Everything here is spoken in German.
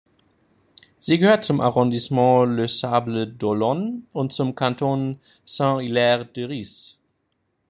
Sie gehört zum Arrondissement Les Sables-d’Olonne und zum Kanton Saint-Hilaire-de-Riez.